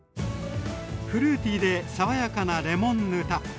フルーティーで爽やかなレモンぬた。